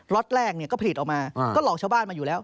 ็อตแรกก็ผลิตออกมาก็หลอกชาวบ้านมาอยู่แล้ว